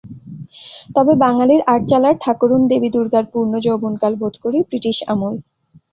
তবে বাঙালির আটচালার ঠাকরুন দেবীদুর্গার পূর্ণ যৌবনকাল বোধ করি ব্রিটিশ আমল।